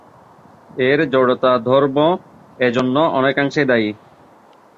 এর জড়তা ধর্ম এজন্য অনেকাংশেই দায়ী।